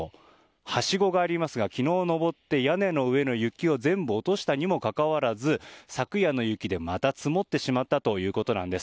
はしごがありますが昨日上って屋根の上の雪を全部落としたにもかかわらず昨夜の雪でまた積もってしまったということなんです。